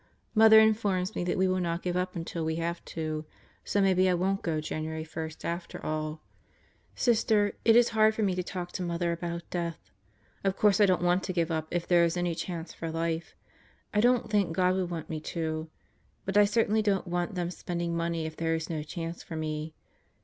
... Mother informs me that we will not give up until we have to. So maybe I won't go January 1 after all. Sister, it is hard for me to talk to Mother about death. Of course I don't want to give up if there is any chance for life. I don't think God would want me to. But I certainly don't want them spending money if there is no chance for me.